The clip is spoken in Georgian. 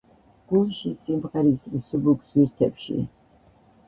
გულში სიმღერის მსუბუქ ზვითებში